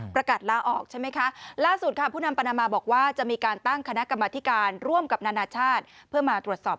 ประกาศลาออกใช่ไหมคะล่าสุดค่ะผู้นำปานามาบอกว่าจะมีการตั้งคณะกรรมธิการร่วมกับนานาชาติเพื่อมาตรวจสอบ